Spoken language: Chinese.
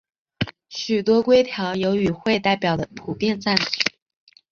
许多规条有与会代表的普遍赞同。